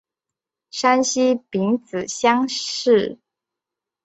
山西丙子乡试。